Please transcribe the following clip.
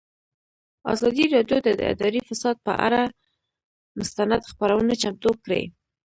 ازادي راډیو د اداري فساد پر اړه مستند خپرونه چمتو کړې.